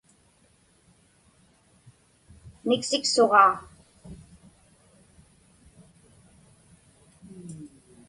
Niksiksuġaa.